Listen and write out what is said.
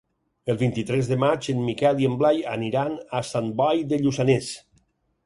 El vint-i-tres de maig en Miquel i en Blai aniran a Sant Boi de Lluçanès.